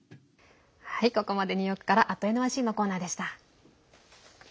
ここまでニューヨークから「＠ｎｙｃ」のコーナーでした。